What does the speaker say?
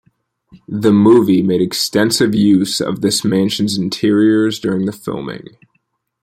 The movie made extensive use of this mansion's interiors during the filming.